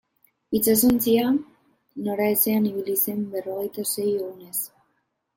Itsasontzia noraezean ibili zen berrogeita sei egunez.